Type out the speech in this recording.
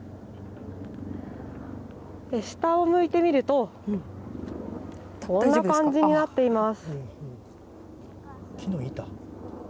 下を向いてみるとこの感じになっています。